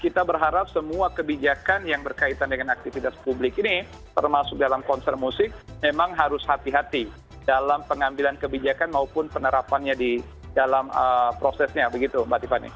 kita berharap semua kebijakan yang berkaitan dengan aktivitas publik ini termasuk dalam konser musik memang harus hati hati dalam pengambilan kebijakan maupun penerapannya di dalam prosesnya begitu mbak tiffany